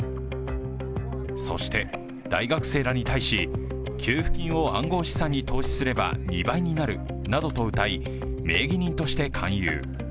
そして、大学生らに対し給付金を暗号資産に投資すれば２倍になるなどとうたい、名義人として勧誘。